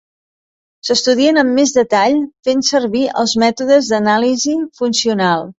S'estudien amb més detall fent servir els mètodes d'anàlisi funcional.